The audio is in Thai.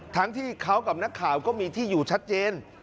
ทั้งที่เขากับนักข่าวก็มีที่อยู่ชัดเจน